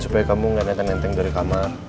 supaya kamu enggak nyeteng nyeteng dari kamar